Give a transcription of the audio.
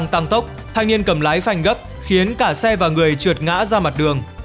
thanh niên cầm lái phanh gấp khiến cả xe và người trượt ngã ra mặt đường